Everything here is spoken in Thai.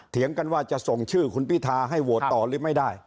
เถียงกันว่าจะส่งชื่อคุณพิทาให้โหวตต่อหรือไม่ได้